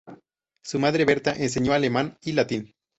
Su madre, Bertha, enseñó alemán y latín.